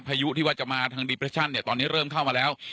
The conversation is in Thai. พายุที่วาดจะมาทางเนี่ยตอนนี้เริ่มเข้ามาแล้ว